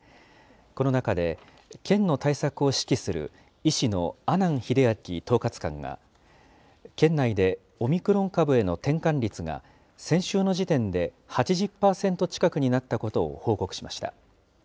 この中で、県の対策を指揮する医師の阿南英明統括官が、県内でオミクロン株への転換率が先週の時点で８０％近くになったことを報告しました。